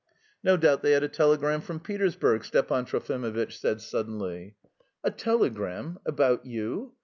"No doubt they had a telegram from Petersburg," Stepan Trofimovitch said suddenly. "A telegram? About you?